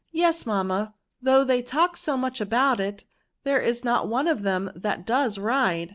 " Yes, mamma ; though they talk so much about it, there is not one of them that does ride.